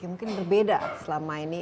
mungkin berbeda selama ini